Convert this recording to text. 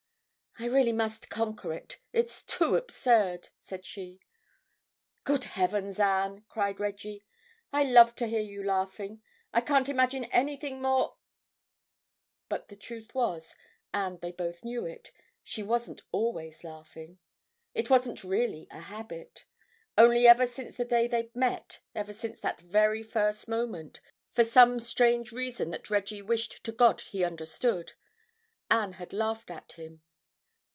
"I really must conquer it, it's too absurd," said she. "Good heavens, Anne," cried Reggie, "I love to hear you laughing! I can't imagine anything more—" But the truth was, and they both knew it, she wasn't always laughing; it wasn't really a habit. Only ever since the day they'd met, ever since that very first moment, for some strange reason that Reggie wished to God he understood, Anne had laughed at him.